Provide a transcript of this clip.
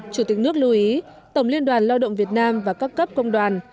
chủ tịch nước lưu ý tổng liên đoàn lao động việt nam và các cấp công đoàn